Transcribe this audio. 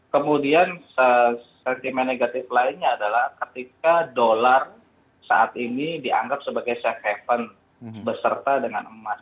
kemudian sentimen negatif lainnya adalah ketika dolar saat ini dianggap sebagai safe haven beserta dengan emas